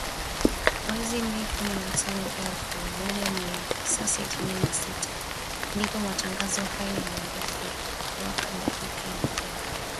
Mwezi Mei kumi na tano elfu moja mia tisa sitini na sita ndipo matangazo hayo yaliongezewa dakika nyingine thelathini